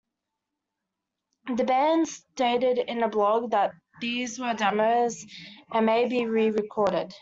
The band stated in a blog that these were demos and may be re-recorded.